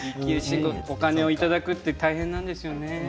お金をいただくって大変なんですよね。